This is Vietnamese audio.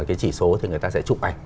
cái chỉ số thì người ta sẽ chụp ảnh